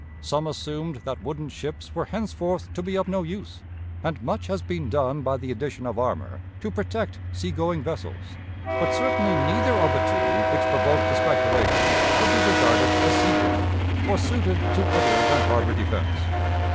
Some assumed that wooden ships were henceforth to be of no use, and much has been done by the addition of armor to protect seagoing vessels; but certainly neither of the two which provoked the speculation could be regarded as seaworthy, or suited to other than harbor defense.